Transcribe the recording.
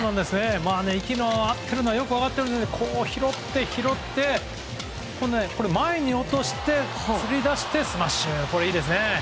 息が合っているのがよく分かるのは拾って、拾って前に落として、引き出してスマッシュ！